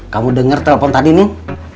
kamu dengar telepon tadi nih